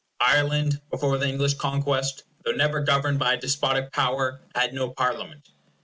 Ireland, before the English conquest, though never governed by a despotic power, had no Parliament.